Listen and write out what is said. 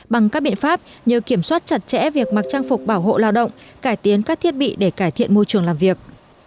bằng các biện pháp như kiểm soát chặt chẽ việc mặc trang phục bảo hộ lao động cải tiến các thiết bị để cải thiện môi trường làm việc